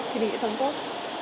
thì mình sẽ sống tốt